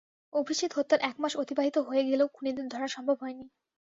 অভিজিৎ হত্যার এক মাস অতিবাহিত হয়ে গেলেও খুনিদের ধরা সম্ভব হয়নি।